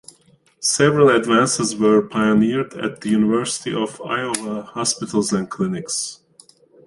Several advances were pioneered at the University of Iowa Hospitals and Clinics.